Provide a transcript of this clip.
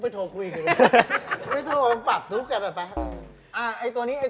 ไม่โทรคุยปรับทุกกันอ่ะไป